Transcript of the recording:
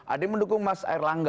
ada yang mendukung mas erlangga